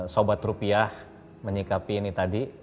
sobat rupiah menyikapi ini tadi